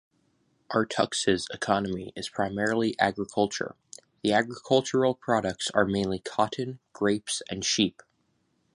Artux's economy is primarily agriculture, the agricultural products are mainly cotton, grapes, and sheep.